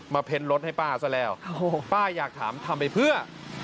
เพ้นรถให้ป้าซะแล้วป้าอยากถามทำไปเพื่อ